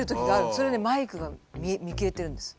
それねマイクが見切れてるんです。